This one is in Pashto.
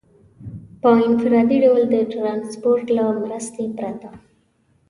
په انفرادي ډول د ټرانسپورټ له مرستې پرته.